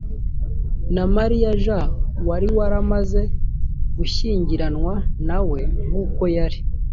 na mariya j wari waramaze gushyingiranwa na we nk uko yari